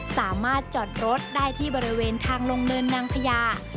สามารถจอดรถได้ที่บริเวณทางลงเนินนางพญา